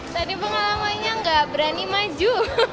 tadi pengalamannya nggak berani maju